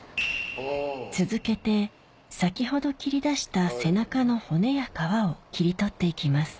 続けて先ほど切り出した背中の骨や皮を切り取って行きます